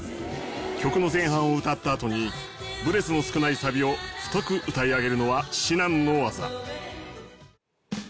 曲の前半を歌ったあとにブレスの少ないサビを太く歌い上げるのは至難の業。